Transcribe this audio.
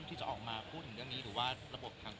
ที่จะออกมาพูดถึงเรื่องนี้หรือว่าระบบทาง